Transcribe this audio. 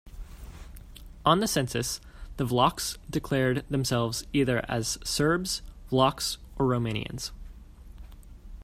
On the census, the Vlachs declared themselves either as Serbs, Vlachs or Romanians.